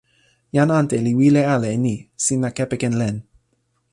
jan ante li wile ala e ni: sina kepeken len.